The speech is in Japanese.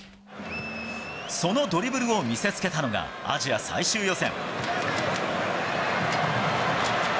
そのドリブルを見せつけたのが、アジア最終予選。